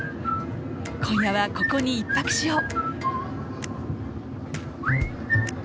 今夜はここに１泊しよう。